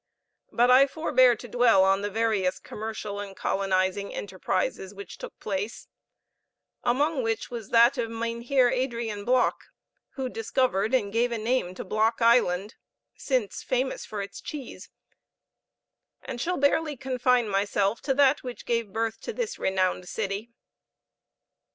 But I forbear to dwell on the various commercial and colonizing enterprises which took place; among which was that of Mynheer Adrian Block, who discovered and gave a name to Block Island, since famous for its cheese and shall barely confine myself to that which gave birth to this renowned city.